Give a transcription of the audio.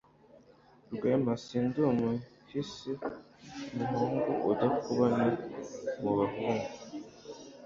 Rwema si ndi umuhisi umuhungu udakubana mu bahungu